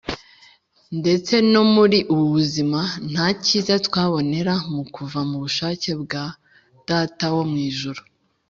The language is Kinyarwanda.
). Ndetse no muri ubu buzima nta cyiza twabonera mu kuva mu bushake bwa Data wo mw’ ijuru